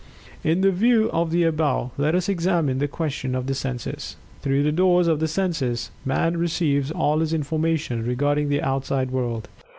In view of the above, let us examine the question of The Senses. Through the doors of the senses Man receives all his information regarding the outside world.